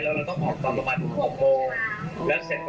แล้วเกิดเป็นเกิดแบบป่วยหรือตายกันเนอะ